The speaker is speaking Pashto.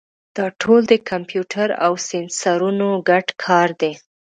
دا ټول د کمپیوټر او سینسرونو ګډ کار دی.